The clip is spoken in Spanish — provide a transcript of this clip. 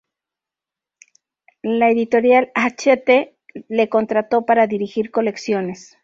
La editorial Hachette le contrató para dirigir colecciones.